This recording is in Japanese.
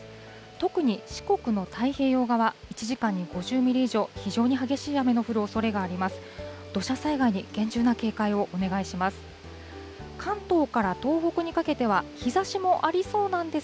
特に四国の太平洋側、１時間に５０ミリ以上、非常に激しい雨の降るおそれがあります。